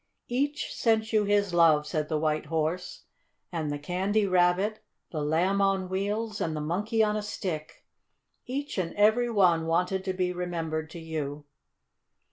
"Each sent you his love," said the White Horse. "And the Candy Rabbit, the Lamb on Wheels and the Monkey on a Stick each and every one wanted to be remembered to you."